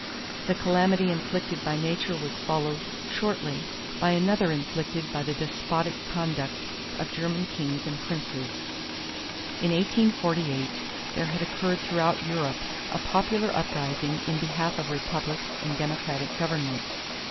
The calamity inflicted by nature was followed shortly by another inflicted by the despotic conduct of German kings and princes. In 1848 there had occurred throughout Europe a popular uprising in behalf of republics and democratic government.